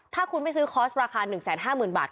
ถ้าคุณไม่ซื้อคอร์สราคา๑๕๐๐๐บาท